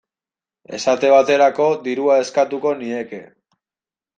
Esate baterako, dirua eskatuko nieke.